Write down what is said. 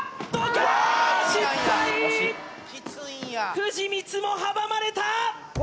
藤光も阻まれた！